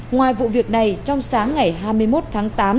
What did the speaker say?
ngoài vụ việc này trong sáng ngày hai mươi một tháng tám